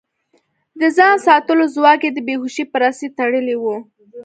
د ځان ساتلو ځواک يې د بې هوشۍ په رسۍ تړلی و.